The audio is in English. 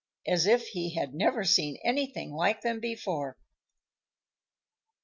as if he had never seen anything like them before.